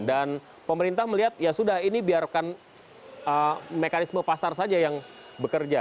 dan pemerintah melihat ya sudah ini biarkan mekanisme pasar saja yang bekerja